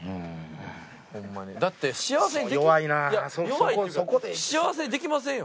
「弱い」っていうか幸せにできませんよ？